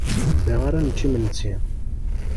Da ara nečč imensi.